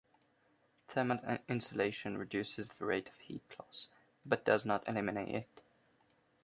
Thermal insulation reduces the rate of heat loss but does not eliminate it.